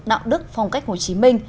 đạo đức phong cách hồ chí minh